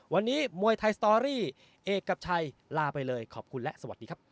วันนี้มวยไทยสตอรี่เอกกับชัยลาไปเลยขอบคุณและสวัสดีครับ